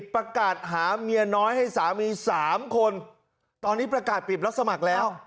ประกาศหาเมียน้อยให้สามี๓คนตอนนี้ประกาศปิดรับสมัครแล้ว